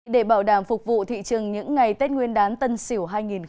để bảo đảm phục vụ thị trường những ngày tết nguyên đán tân sỉu hai nghìn hai mươi một